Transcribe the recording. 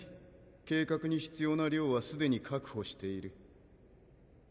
計画に必要な量は既に確保している。